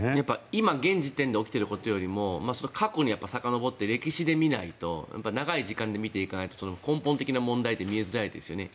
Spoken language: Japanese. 今現時点で起きていることよりも過去にさかのぼって歴史で見ないと長い時間で見ていかないと根本的な問題って見えづらいですよね。